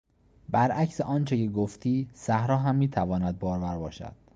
برعکس آنچه که گفتی صحرا هم میتواند بارور باشد.